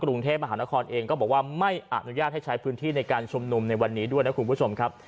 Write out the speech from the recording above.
กรุงเทพมหานครเองก็บอกว่าไม่อนุญาตให้ใช้พื้นที่ในการชุมนุมในวันนี้ด้วยนะคุณผู้ชมครับ